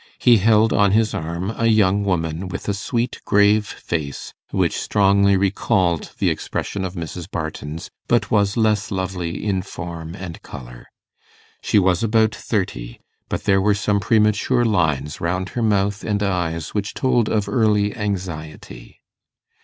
He held on his arm a young woman, with a sweet, grave face, which strongly recalled the expression of Mrs. Barton's, but was less lovely in form and colour. She was about thirty, but there were some premature lines round her mouth and eyes, which told of early anxiety.